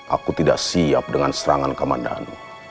aku tidak siap dengan serangan komandan